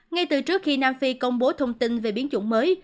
ngay từ trước khi nam phi công bố thông tin về biến chủng mới